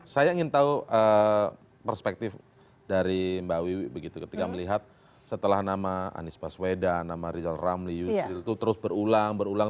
saya ingin tahu perspektif dari mbak wiwi begitu ketika melihat setelah nama anies baswedan nama rizal ramli yusril itu terus berulang berulang